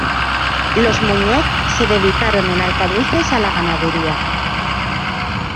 Los Muñoz se dedicaron en Alcañices a la ganadería.